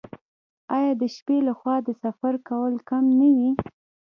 آیا د شپې لخوا د سفر کول کم نه وي؟